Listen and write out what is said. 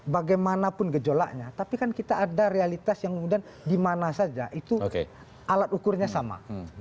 bagaimanapun gejolaknya tapi kan kita ada realitas yang kemudian dimana saja itu alat ukurnya sama